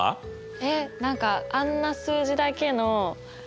えっ何かあんな数字だけのデータ。